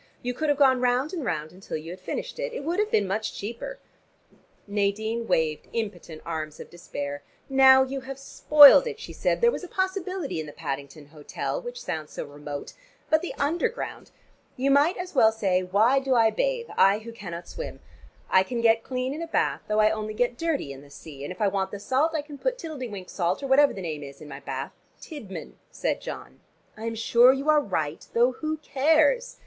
"You could have gone round and round until you had finished. It would have been much cheaper." Nadine waved impotent arms of despair. "Now you have spoiled it," she said. "There was a possibility in the Paddington hotel, which sounds so remote. But the Underground! You might as well say, why do I bathe, I who cannot swim? I can get clean in a bath, though I only get dirty in the sea, and if I want the salt I can put Tiddle de wink salt or whatever the name is in my bath " "Tidman," said John. "I am sure you are right, though who cares?